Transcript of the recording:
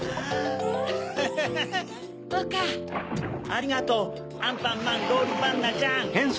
ありがとうアンパンマンロールパンナちゃん。